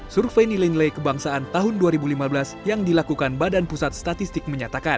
survei nilai nilai kebangsaan tahun dua ribu lima belas yang dilakukan badan pusat statistik menyatakan